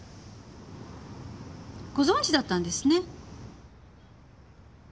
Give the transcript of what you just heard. ご存じだったんですね？